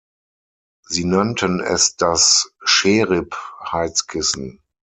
Sie nannten es das „Scherip“-Heizkissen.